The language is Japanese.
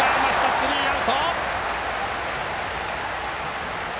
スリーアウト。